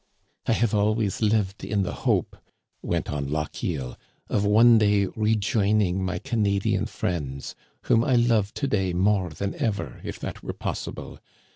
" I have always lived in the hope," went on Lochiel, " of one day rejoining my Canadian friends, whom I love to day more than ever, if that were possible.